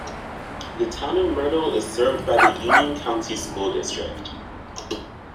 The town of Myrtle is served by the Union County School District.